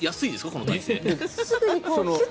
この体勢？